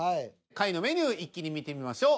下位のメニュー一気に見てみましょう。